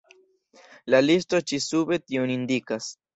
La listo ĉi sube tion indikas.